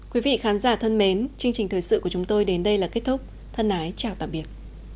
quý vị khán giả thân mến chương trình thời sự của chúng tôi đến đây là kết thúc thân ái chào tạm biệt